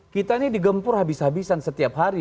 kita ini digempur habis habisan setiap hari